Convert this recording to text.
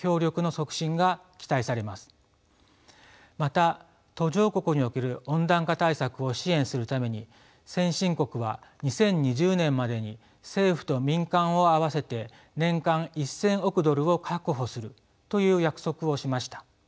また途上国における温暖化対策を支援するために先進国は２０２０年までに政府と民間を合わせて年間１，０００億ドルを確保するという約束をしました。